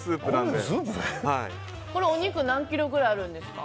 お肉何キロくらいあるんですか。